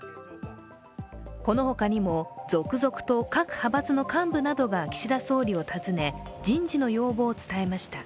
この他にも続々と各派閥の幹部などが岸田総理を訪ね人事の要望を伝えました。